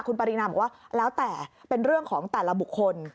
คุณปรินาบอกว่าแล้วแต่เป็นเรื่องของแต่ละบุคคล